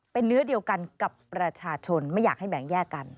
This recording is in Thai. เป็นเนื้อเดียวกันกับประชาชนไม่อยากให้แบ่งแยกกัน